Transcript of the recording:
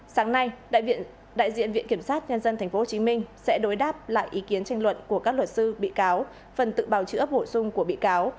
sáng nay đại diện viện kiểm sát nhân dân tp hcm sẽ đối đáp lại ý kiến tranh luận của các luật sư bị cáo phần tự bào chữa bổ sung của bị cáo